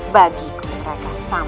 bagi ku mereka sama saja